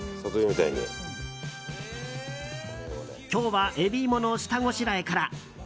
今日はエビイモの下ごしらえから。